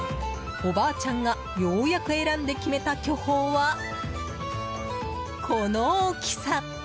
おばあちゃんがようやく選んで決めた巨峰はこの大きさ。